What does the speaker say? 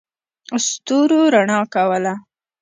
ستورو رڼا کوله.